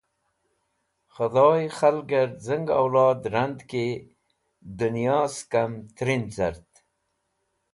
Khẽdhoy k̃halgẽr z̃ir awlod rand ki dẽnyo sakm trin cart.